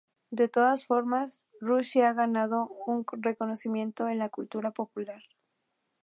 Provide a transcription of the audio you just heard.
De todas formas, Rush se ha ganado un reconocimiento en la cultura popular.